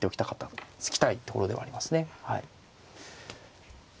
突きたいところではありますね。